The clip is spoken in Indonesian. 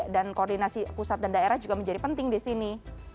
dan koordinasi pusat dan daerah juga menjadi penting disini